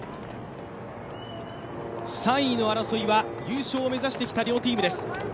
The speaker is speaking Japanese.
３位の争いは優勝を目指してきた両チームです。